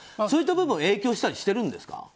そういった部分、影響したりしているんですか？